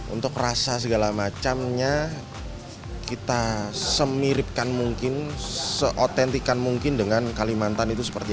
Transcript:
untuk rasa segala macamnya kita semiripkan mungkin seautentikan mungkin dengan kalimantan itu seperti apa